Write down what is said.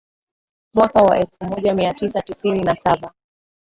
Mwaka wa elfu moja mia tisa tisini na saba